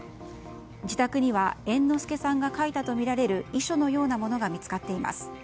自宅には猿之助さんが書いたとみられる遺書のようなものが見つかっています。